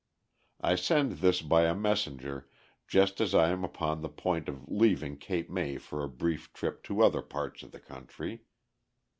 I send this by a messenger just as I am upon the point of leaving Cape May for a brief trip to other parts of the country.